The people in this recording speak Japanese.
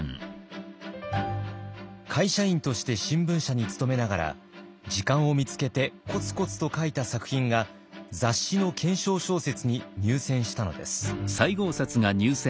会社員として新聞社に勤めながら時間を見つけてコツコツと書いた作品が雑誌の懸賞小説に入選したのです。